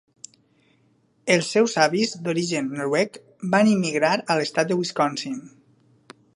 Els seus avis d'origen noruec van immigrar a l'Estat de Wisconsin.